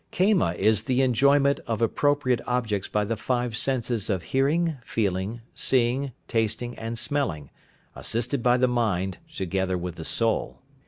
Kama is the enjoyment of appropriate objects by the five senses of hearing, feeling, seeing, tasting, and smelling, assisted by the mind together with the soul.